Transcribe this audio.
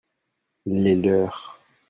les leurs.